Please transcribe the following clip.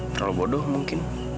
terlalu bodoh mungkin